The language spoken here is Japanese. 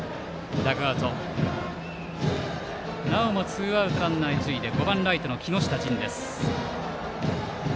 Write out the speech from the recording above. なおもツーアウト、一塁で５番ライトの木下仁です。